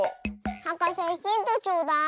はかせヒントちょうだい。